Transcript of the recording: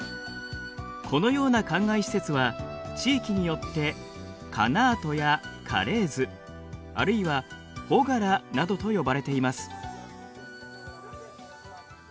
このようなかんがい施設は地域によってカナートやカレーズあるいはフォガラなどと呼ばれています。